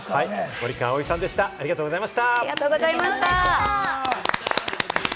森川葵さん、ありがとうございました。